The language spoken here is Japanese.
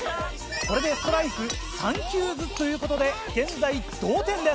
これでストライク３球ずつということで現在同点です。